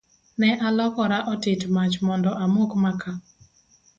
Ne alokora otit mach mondo amok maka.